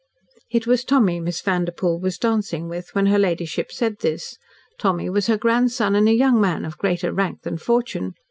It was Tommy Miss Vanderpoel was dancing with when her ladyship said this. Tommy was her grandson and a young man of greater rank than fortune.